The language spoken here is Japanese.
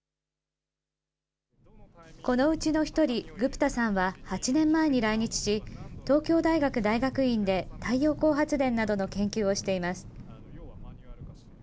このうちの１人、グプタさんは８年前に来日し、東京大学大学院で太陽光発電などの研究をしています。